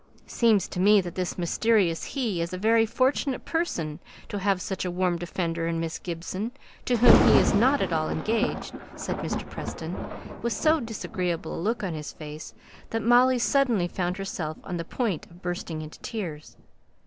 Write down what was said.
"It seems to me that this mysterious 'he' is a very fortunate person to have such a warm defender in Miss Gibson, to whom he is not at all engaged," said Mr. Preston, with so disagreeable a look on his face that Molly suddenly found herself on the point of bursting into tears.